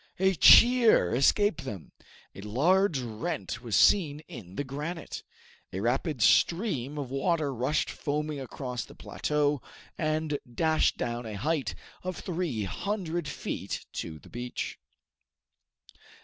A cheer escaped them! A large rent was seen in the granite! A rapid stream of water rushed foaming across the plateau and dashed down a height of three hundred feet on to the beach!